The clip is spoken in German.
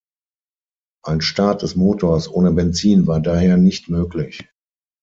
Ein Start des Motors ohne Benzin war daher nicht möglich.